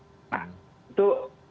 lakukan dengan protokol kesehatan yang nah